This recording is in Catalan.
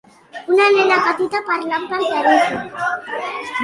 Una nena petita parlant per telèfon.